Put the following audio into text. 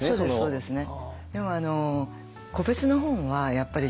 そうですよね。